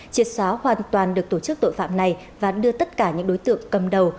triệt xóa hoàn toàn được tổ chức tội phạm này và đưa tất cả những đối tượng cầm đầu